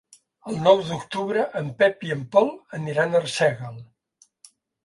El nou d'octubre en Pep i en Pol aniran a Arsèguel.